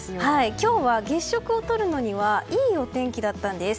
今日は月食を撮るのにはいいお天気だったんです。